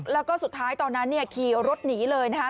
แล้วก็สุดท้ายตอนนั้นเนี่ยขี่รถหนีเลยนะคะ